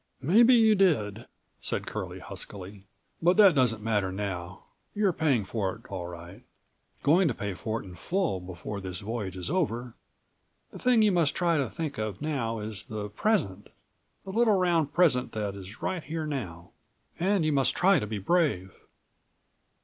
"Maybe you did," said Curlie huskily, "but that doesn't matter now; you're paying for it all right—going to pay for it in full before this voyage is over. The thing you must try to think of now is the present, the little round present that is right here now. And you must try to be brave."